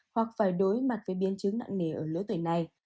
hoặc phải đối mặt với biến chứng nặng nề ở lứa tuổi này